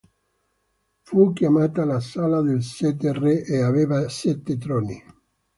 Fu chiamata la Sala dei sette re e aveva sette troni.